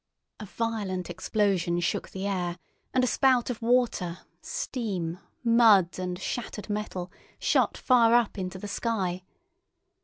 A violent explosion shook the air, and a spout of water, steam, mud, and shattered metal shot far up into the sky.